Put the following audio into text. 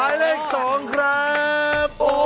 เตรียมตัวครับ